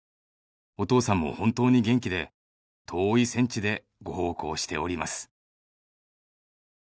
「お父さんも本当に元気で遠い戦地で御奉公しております」